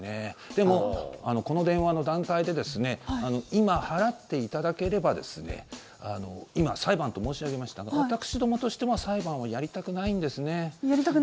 でも、この電話の段階で今、払っていただければ今、裁判と申し上げましたが私どもとしてもやりたくないです。